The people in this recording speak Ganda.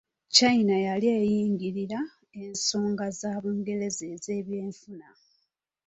China yali eyingirira ensonga za Bungereza ez'ebyenfuna.